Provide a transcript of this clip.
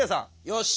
よし！